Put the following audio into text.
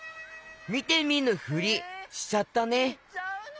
みてみぬふりしちゃったね。